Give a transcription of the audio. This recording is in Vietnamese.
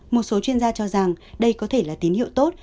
một số chuyên gia cho rằng đây có thể là tín hiệu tốt